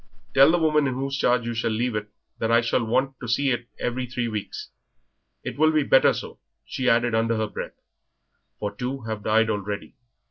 Tell the woman in whose charge you leave it that I shall want to see it every three weeks. It will be better so," she added under her breath, "for two have died already."